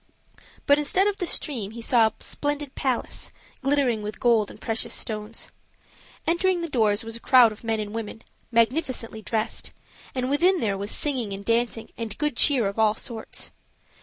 But instead of the stream he saw a splendid palace, glittering with gold and precious stones. Entering the doors was a crowd of men and women, magnificently dressed; and within there was singing and dancing and good cheer of all sorts.